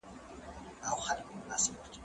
زه اوږده وخت درسونه تياروم وم؟